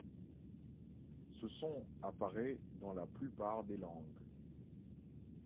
Ce son apparaît dans la plupart des langues.